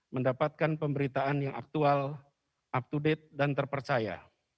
mendapatkan pemberitaan yang aktual up to date dan terpercaya